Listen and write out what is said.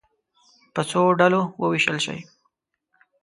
په څو ډلو وویشل شئ.